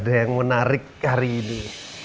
ada yang menarik hari ini